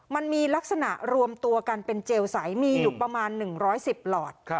มันมีลักษณะรวมตัวกันเป็นเจลใสมีอยู่ประมาณ๑๑๐หลอด